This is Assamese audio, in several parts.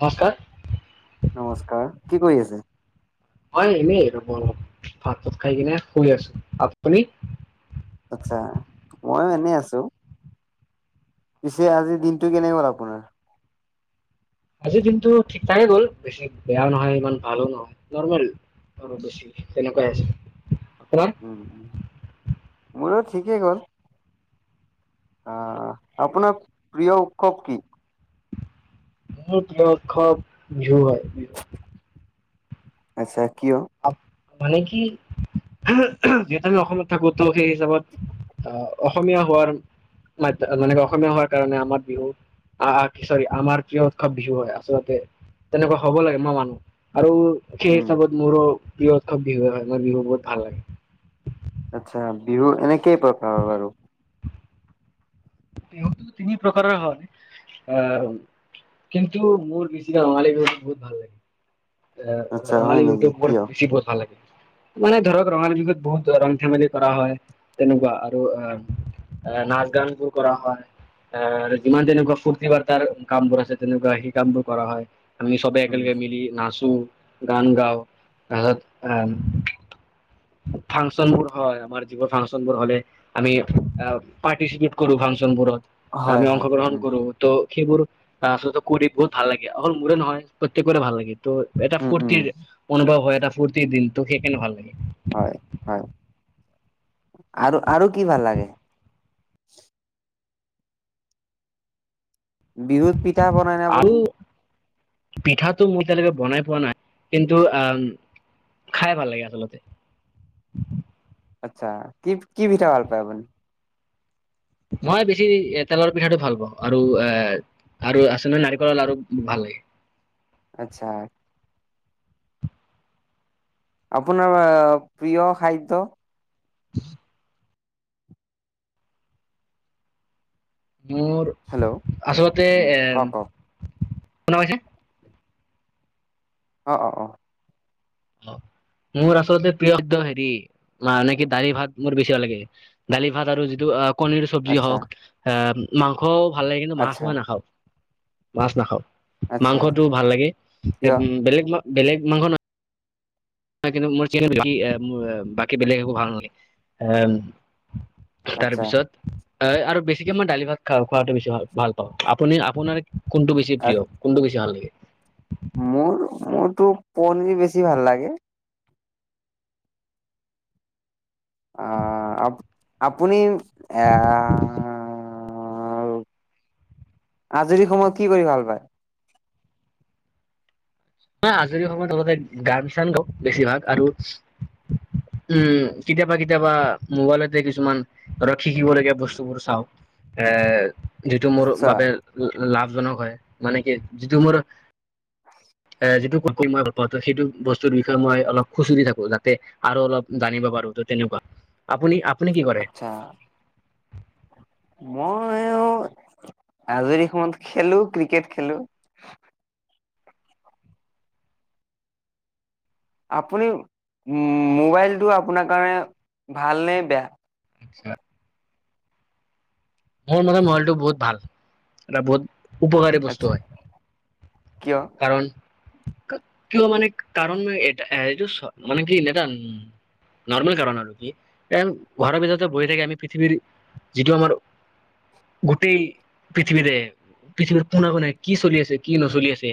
নমস্কাৰ, নমস্কাৰ! কি কৰি আছে? মই এনেই ৰ'ব ভাত-চাত খাই কিনে শুই আছো। আপুনি? আটচ্ছা, মইয়ো এনেই আছো। পিছে আজি দিনটো কেনে গ'ল আপোনাৰ? আজিৰ দিনটো ঠিক ঠাকে গ'ল, বেছি বেয়াও নহয় ইমান ভালো নহয় নৰ্মেল। আৰু বেছি তেনেকুৱাই হৈছে। উম, মোৰো ঠিকেই গ'ল। আহ, আপোনাৰ প্ৰিয় উৎসৱ কি? [unintelligible] বিহু আচ্ছা কিয়? আপ- মানে কি যিহেতু আমি অসমত থাকো তো সেই হিচাপত আহ, অসমীয়া হোৱাৰ মাত মানে অসমীয়া হোৱাৰ কাৰণে আমাৰ বিহু আহ, কি চাবি আমাৰ কিয় উৎসৱ বিহু হয় আচলতে তেনেকুৱা হ'ব লাগে [unintelligible] মানুহ। আৰু সেই উম হিচাপত মোৰো প্ৰিয় উৎসৱ বিহুৱে হয় মোৰ বিহু বহুত ভাল লাগে। আচ্ছা বিহু এনে কেই প্ৰকাৰৰ আৰু? বিহুটো তিনি প্ৰকাৰৰ হয় আহ, কিন্তু মোৰ বেছি ধেমালি কৰি বহুত ভাল লাগে। আচ্ছা হয় ৰঙালীউটো নেকি মোৰ কিয় বেছি বতাহ ভাল লাগে। মানে ধৰক ৰঙালী বিহুত বহুত ৰং ধেমালি কৰা হয় তেনেকুৱা আৰু আহ আহ নাচ গান বোৰ কৰা হয়। আহ যিমান তেনেকুৱা ফূৰ্তি বাৰ্তাৰ কামবোৰ আছে তেনেকুৱা সেই কামবোৰ কৰা হয়। আমি সবেই উম একেলগে মিলি নাচো গান গাওঁ তাৰপছত আহ [unintelligible] ফাংচন বোৰ হয় আমাৰ যিবোৰ ফাংচন বোৰ হ'লে আমি পাৰ্টিচিপেট কৰো ফাংচন বোৰত। হয় আমি হয় অংশগ্ৰহণ উম কৰো তো সেইবোৰ আ-আচলতে কৰি বহুত ভাল লাগে অকল মোৰে নহয় প্ৰত্যেকৰে ভাল লাগে। ত' এটা উম উম ফুৰ্তিৰ অনুভৱ হয় এটা ফূৰ্তিৰ দিন তো সেইকাৰণে ভাল লাগে। হয়-হয় আৰু-আৰু কি ভাল লাগে? বিহুত পিঠা বনাই নে আপুনি? আৰু পিঠাটো মোৰ এতিয়ালৈকে বনাই পোৱা নাই কিন্তু আ খাই ভাল লাগে আচলতে। আচছা কি- কি পিঠা ভাল পায় আপুনি? মই বেছি তেলৰ পিঠাটো ভাল পাওঁ আৰু এ আৰু আছে নহয় নাৰিকলৰ লাৰু ভাল লাগে। আচ্ছা। আপোনাৰ প্ৰিয় খাদ্য? মোৰ হেল্ল' আচলতে উম এ কওক কওক শনা কৈছে অ অ অ। অ। মোৰ আচলতে প্ৰিয় হেৰি মানে কি দালি ভাত মোৰ বেছি ভাল লাগে দালি ভাত আৰু যিটো কণীৰ চব্জি আচ্ছা, হওক আহ মাংস ভাল লাগে কিন্তু মাছ আচ্ছা, মই নাখাও। মাছ নাখাও আচ্ছা, মাংসটো ভাল লাগে কিয়? বেলেগ বেলেগ মাংস ন কিন্তু মোৰোৰ বাকী বেলেগ একো ভাল লাগে আহ আচ্ছা, তাৰপিছত আৰু বেছিকে মই দালি ভাত খা খোৱাটো বেছি ভাল ভাল পাওঁ আপুনি আপোনাৰ কোনটো বেছি আ প্ৰিয় কোনটো বেছি ভাল লাগে? মোৰ মোৰতো পনিৰ বেছি ভাল লাগে। আহ আপ আপুনি আহ আজৰি সময়ত কি কৰি ভাল পায়? ন আজৰি সময়ত আলতে গাম চান গাও বেছিভাগ আৰু উম কেতিয়াবা কেতিয়াবা মোবাইলতে কিছুমান আৰু শিকিব লগীয়া বস্তুবোৰ চাওঁ, এ যিটো মোৰ আচ্ছা, বাবে লাভজনক হয়, মানে কি যিটো মোৰ এ, যিটো মই [unintelligible] সেইটো বস্তুৰ বিষয়ে মই অলপ খুচৰি থাকো যাতে আৰু অলপ জানিব পাৰোঁ ত তেনেকুৱা, আপুনি আপ আচ্ছা। মইও আজৰি সময়ত খেলো ক্ৰিকেট খেলো। আপুনি উ' মোবাইলটো আপোনাৰ কাৰণে ভালনে, বেয়া? আচ্ছা। মোৰ মানে মোবাইলটো বহুত ভাল, এটা বহুত উপকাৰী বস্তু আচ্ছা, হয়, কিয়? কাৰণ কিয় মানে কাৰণ এ এইটো মানে কি [unintelligible] নৰ্মেল কাৰণ আৰু, কি কাৰণ ঘৰৰ ভিতৰতে বহি থাকি আমি পৃথিৱীৰ যিটো আমাৰ [inaudible] গোটেই পৃথিৱীৰে পৃথিৱীৰ কোনে-কোনে কি চলি আছে কি নচলি আছে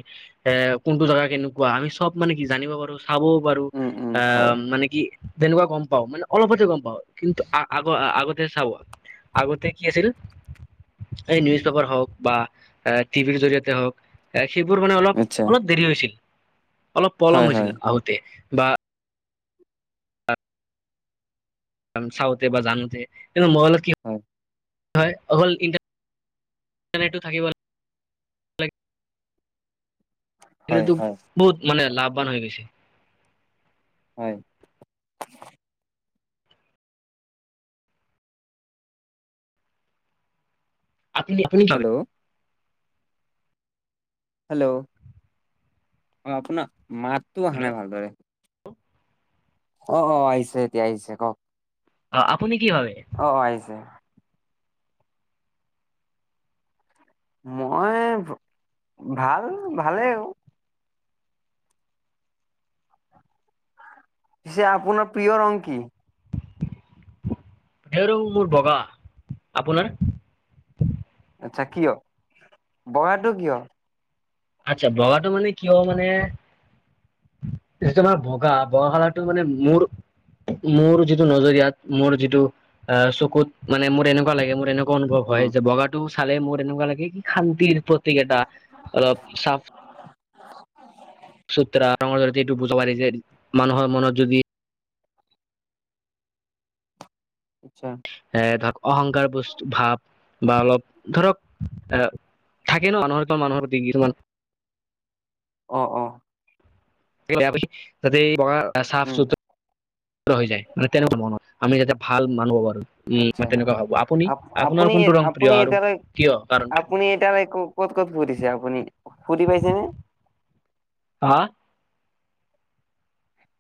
এ কোনটো জেগা কেনেকুৱা আমি চব মানে কি জানিব পাৰো ভাবো বাৰো উম, উম, হয়। আহ, মানে কি তেনেকুৱা গম পাও মানে অলপতে গম পাওঁ কিন্তু আগ-আগতে চাব আগতে কি আছিল এই নিউজ পেপাৰ হওক বা এ টিভিৰ জৰিয়তে হওক এই সেইবোৰ মানে অলপ- আচ্ছা, অলপ দেৰি হৈছিল অলপ পলম হয়, হৈছিল হয়, আহোতে বা [unintelligible] চাওঁতে বা জানোতে কিন্ত মোবাইলত কি হয়, [unintelligible] হয় অকল ইণ্টাৰ ইটাৰনেটটো থাকিব। [unintelligible] হয়, সেইটোটো হয়, বহুত মানে, লাভৱান হৈ গৈছে। হয়। আপুনি আপুনি [unintelligible] হেল্ল', হেল্ল' অ, আপোনাৰ মাতটো হেল্ল' আহা নাই ভালদৰে। অ', অ ', আহিছে এতিয়া আহিছে কওক। অ'। আপুনি কি ভাবে অ', আহিছে। মই ভাল, ভালেই আৰু। পিছে আপোনাৰ প্ৰিয় ৰং কি? সেইটো মোৰ বগা, আপোনাৰ? আচ্ছা! কিয়? বগাটো কিয়? আচ্ছা! বগাটো মানে, কিয় মানে, [unintelligible] বগা, বগকালাৰটো মানে, মোৰ মোৰ যিটো নজৰিয়াত, মোৰ যিটো আঁ চকুত। মানে, মোৰ এনেকুৱা লাগে, মোৰ এনে অনুভৱ হয়। উম। যে, বগাটো চালে, মোৰ এনেকুৱা লাগে, কি শান্তিৰ প্ৰতীক এটা! অলপ চাফ চোত্ৰা। ৰঙৰ জৰিয়তে, এইটো বুজাব পাৰি যে, মানুহৰ মনত যদি, আচ্ছা! এ, ধৰক অহংকাৰ বস্তু-ভাৱ বা অলপ, ধৰক এ, থাকে ন' মানুহৰ [unintelligible] মানুহৰ প্ৰতি কিছুমান। অ' অ'! [unintelligible] তাতে, বগা উম, চাফ-চোত্ৰ হৈ যায়। মানে, তেনেকুৱা মানুহ। আমি যাতে, ভাল মানুহ পাৰোঁ। উম, আচ্ছা মই তেনেকুৱা ভাবোঁ! আপুনি, আপ আপোনাৰ আপুনি কোনটো ৰং প্ৰিয় আপুনি আৰু এতিয়ালৈ কিয়, কাৰণটো? আপুনি এতিয়ালৈ ক'ত, ক'ত ফুৰিছে আপুনি, ফুৰি পাইছেনে? হা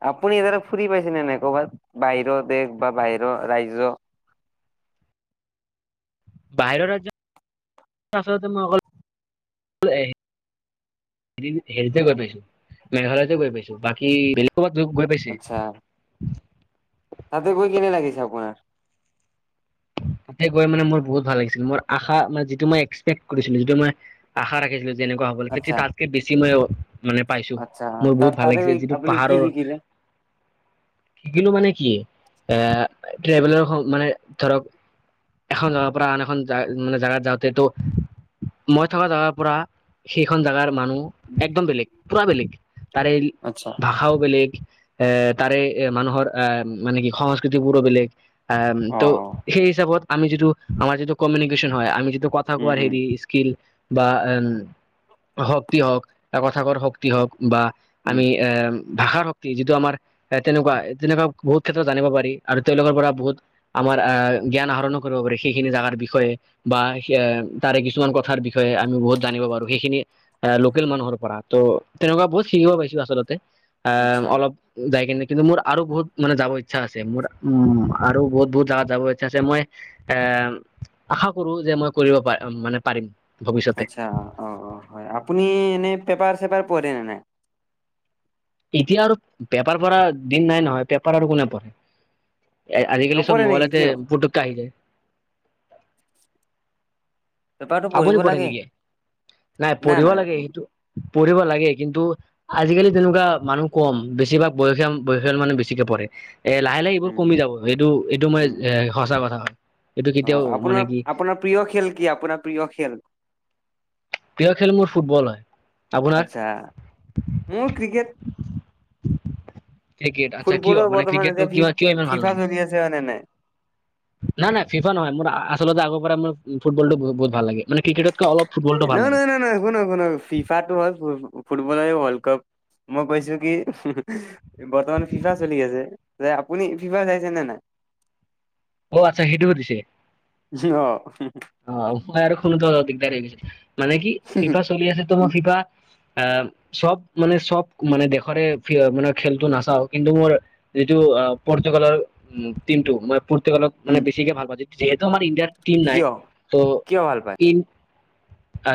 আপুনি [unintelligible] ফুৰি পাইছেনে নাই ক'ৰবাত, বাহিৰ দেশ বা বাহিৰৰ ৰাজ্য? [inaudible] বাহিৰৰ ৰাজ্যত, আচলতে মই, অকল, এ, সেৰি, সেৰিতে গৈ পাইছোঁ, মেঘালয়তে গৈ পাইছোঁ। বাকী বেলেগ, ক'ৰবাত গৈ-গৈ পাইছে? আচ্ছা তাতে গৈ কেনে লাগিছে আপোনাৰ তাতে গৈ মানে মোৰ বহুত ভাল লাগিছিল মোৰ আশা মানে যিটো মই এক্সপেক্ট কৰিছিলো যিটো মই আশা ৰাখিছিলো যেনেকুৱা হ'ব আচ্ছা তাতকে বেছি মই মানে পাইছো আচ্ছা মোৰ বহুত তাত ভাল তাতে গৈ লাগিছে যিটো আপুনি কি পাহাৰৰ শিকিলে? শিকিলো মানে কি এ ট্ৰেভেলৰ মানে ধৰক এখন জেগাৰ পৰা আন এখন মানে জেগাত যাওঁতেতো মই থকা জেগাৰ পৰা সেইখন জেগাৰ মানুহ একদম বেলেগ পূৰা বেলেগ তাৰে আচ্ছা ভাষাও বেলেগ এ তাৰে মানুহৰ আহ মানে কি সংস্কৃতি বোৰো বেলেগ আহ অ ত সেই হিচাপত আমি যিটো আমাৰ যিটো কমিউনিকেশ্যন হয় আমি যিট টো কথা উম কোৱাৰ উম হেৰি স্কিল বা এম শক্তি হওক এটা কথা কোৱাৰ শক্তি হওক বা উম আমি এ ভাষাৰ শক্তি যিটো আমাৰ এ তেনেকুৱা তেনেকুৱা বহুত ক্ষেত্ৰত জানিব পাৰি আৰু তেওঁলোকৰ পৰা বহুত আম মাৰ আহ জ্ঞান আহৰণো কৰিব পাৰে, সেইখিনি জাগাৰ বিষয়ে, বা তাৰে কিছুমান কথাৰ বিষয়ে আমি বহুত জানিব সেইখিনি লোকেল মানুহৰ পৰা, ত', তেনেকুৱা বহুত শিকিব পাইছো আচলতে। আহ, আচ্ছা অলপ যায় কি কিন্তু মোৰ আৰু বহুত মানে যাব ইচ্ছা আছে মোৰ উম আৰু বহুত বহুত জাগা যাবা আছে, মই এ আশা কৰো যে মই কৰিব প মানে পাৰিম। ভৱিষ্যতে আচ্ছা অ', অ', হয় আপুনি এনে পেপাৰ চেপাৰ পঢ়ে ন নাই? এতিয়া আৰু পেপাৰ পঢ়া দিন নাই নহয় পেপাৰ আৰু কোনে পঢ়ে আজিকালি চব নপঢ়ে নেকি মোবাইলতে কিয় পুটকে আহি যায় পেপাৰটো আপুনি পঢ়িব পঢ়ে লাগে নেকি নাই না পঢ়িব না লাগে উম সেইটো পঢ়িব লাগে কিন্তু আজিকালি তেনেকুৱা মানুহ কম বেছিভাগ বয়সিয়াম বয়সিয়াল মানুহ বেছিকে পঢ়ে এ লাহে লাহে এইবোৰ কমি যাব এইটো এইটো মই উম এ সঁচা কথা হয় এইটো অ কেতিয়াও মানে আপোনাৰ কি আপোনাৰ প্ৰিয় খেল কি আপোনাৰ প্ৰিয় খেল প্ৰিয় খেল মোৰ ফুটবল হয়। আপোনাৰ আচ্ছা, মোৰ ক্ৰিকেট ক্ৰিকেট আচ্ছা কিয় ফুটবলৰ মানে বৰ্তমান ক্ৰিকেটটো কিয় এতিয়া কিয় ইমান ভাল ফিফা লাগে চলি আছে হয় নে নাই। নাই নাই ফিফা নহয় মোৰ আচলতে আগৰ পৰা মোৰ ফটবলটো বহুত ভাল লাগে, মানে ক্ৰিকেটতকে অলপ ফুটবলটো ভাল নাই লাগে নাই নাই নাই, শুনক শুনক ফিফাটো হ'ল ফুটবলৰে ৱৰ্ল্ড কাপ মই কৈছো কি বৰ্তমান ফিফা চলি আছে যে আপুনি ফিফা চাইছে নে নাই? [inaudible] অ', আচ্ছা সেইটো সুধিছে। যি অ'। অ', মই আৰু শুনোতো দিগদাৰ হৈ গৈছে, মানে কি ফিফা চলি আছে তো মই ফিফা আহ চব মানে চব মানে দেশৰে মানে খেলটো নাচাও কিন্তু মোৰ যিটো পৰ্তুগালৰ উ টিমটো মান লত মানে উম বেছিকে ভাল পা, যিহেতু আমাৰ ইণ্ডিয়াৰ টিম নাই কিয় ত' কিয় ভাল পায়? ই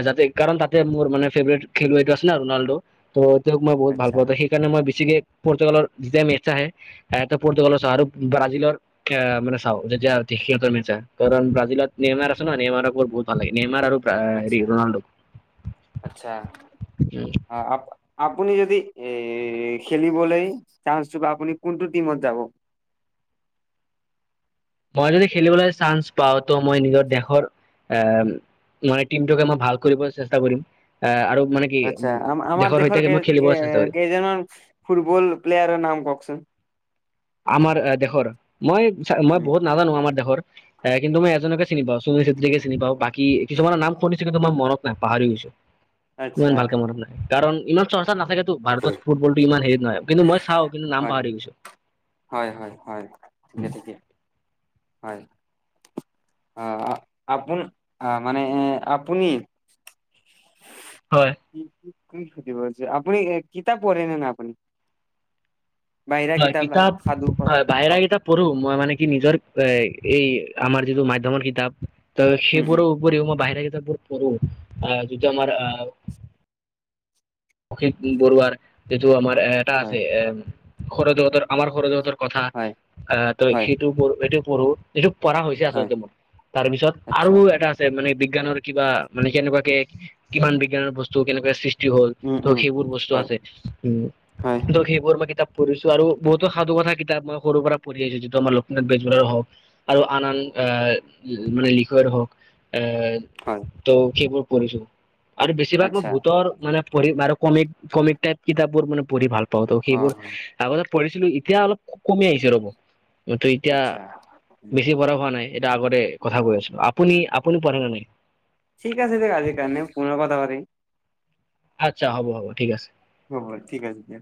যাতে কাৰণ তাতে মোৰ মানে ফেভৰেট খেলুৱৈটো আছে ন ৰনাল্ডো ত' মই বহত ভাল আচ্ছা পাওঁ সেইকাৰণে মই বেছিকে পৰ্তুগালৰ যেতিয়া মেটচ আহে পৰ্তুগালৰ চাহ আৰু ব্ৰাজিলৰ এ মানে চাওঁ যেতিয়া কাৰণ ব্ৰাজিলত নেইমাৰ আছে, নেইমাৰক বহুত ভাল লাগে নেইমাৰ আৰু হেৰি আচ্ছা, ৰনাল্ডো আচ্ছা, অ', আ আপুনি যদি এ খেলিবলৈ চান্সটো বা, আপুনি কোনটো টিমত যাব? মই যদি খেলিবলৈ চান্স পাওঁ তো মই নিজৰ দেশৰ আহ মই টিমটোকে মই ভাল কৰিবলৈ চেষ্টা কৰিম আহ আৰু মানে কি আচ্ছা আমাৰ দেশৰ সৈতে মই খেলিব চেষ্টা কৰিম কেইজনৰ ফুটবল প্লেয়াৰৰ নাম কওঁকচোন উ আমাৰ এ দেশৰ মই মই বহুত নাজানো আমাৰ দেশৰ এ কিন্তু মই এজনকে চিনি পাওঁ সুনীল ছেত্ৰীকে চিনি পাওঁ, বাকী কিছুমানৰ নাম শুনিছো কিন্তু মোৰ মনত নাই পাহৰি গৈছো আচ্ছা ইমান ভালকে মনত নাই কাৰণ ইমান চৰ্চাত নাথাকেতো ভাৰতত ফুটবলটো ইমান হেৰি নহয়, কিন্তু মই চাওঁ কিন্তু নাম হয় পাহৰি গৈছো। হয় হয় হয়, ঠিক ঠিকে। হয়। অ', আপোন আহ মানে আপুনি হয়। কি কি সুধিব আপুনি কিতাপ পঢ়ে নে নাই আপুনি? বাহিৰা হয় কিতাপ, সাধু কথা হয় অ বাহিৰা কিতাপ পঢ়ো মই মানে কি নিজৰ এ এই আমাৰ যিটো মাধ্যমৰ কিতাপ ত', উম উম সেইবোৰৰ উপৰিও মই বাহিৰ বোৰ পঢ়ো আহ যিটো আমাৰ আহ অখিল বৰুৱাৰ যিটো আাৰ এটা হয় আছে এ সৌৰজগতৰ আমাৰ সৌৰজগতৰ কথা হয় আহ ত হয় সেইটো প সেটো পঢ়ো এইটো পঢ়া হৈছে হয় আচলতে মোৰ তাৰ পিছত আচ্ছা আৰু এটা আছে মানে বিজ্ঞানৰ কিবা মানে কেনেকুৱাকে কিমান বিজ্ঞানৰ বস্তু কেনেকুৱাকে সৃষ্টি হ উম, ত উম, সেইবোৰ বস্তু হয়। আছে। উ হয়, ধ সেইবোৰ মই কিতাপ পঢ়িছো আৰু বহুতো সাধু কথা কিতাপ মই সৰু পৰা পঢি আহছো যিটো আমাৰ লক্ষ্মীনাথ বেজবৰুৱাৰ হওক আৰু আন আন আহ মানে লিখৰ হওক আহ ত সেইবোৰ পঢ়িছো আৰু বেছিভাগ মই আচ্ছা। ভূতৰ মানে পঢ়িম বাৰু কমিক কমিক টাইপ কিতাপবোৰ মানে পঢ়ি ভাল পাওঁ ত সেইবোৰ অ'। আগতে পঢ়িছিলো এতিয়া অলপ খুব কমি আহিছে ৰ'ব, এতিয়া আচ্ছা, বেছি পঢ়া হোৱা নাই এটা আগতে কথা কৈ অ', আছো, আপুনি আপুনি পঢ়ে ন নাই? ঠিক আছে দিয়ক আজিৰ কাৰণে পুনৰ কথা পাতিম। আচ্ছা, হ'ব হ'ব ঠিক আছে। হয় হয় ঠিক আছে দিয়া।